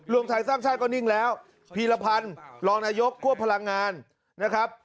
รวมไทยสร้างชาติก็นิ่งแล้วพีรพันธ์รองนายกควบพลังงานนะครับ